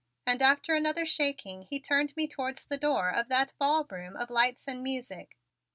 And after another shaking he turned me towards the door of that ballroom of lights and music.